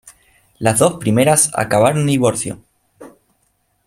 Las dos primeras acabaron en divorcio.